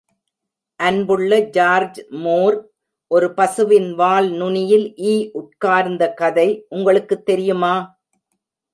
அன்புள்ள George Moore, ஒரு பசுவின் வால் நுனியில் ஈ உட்கார்ந்த கதை உங்களுக்குத் தெரியுமா?